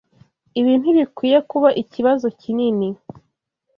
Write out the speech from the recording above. Ibi ntibikwiye kuba ikibazo kinini.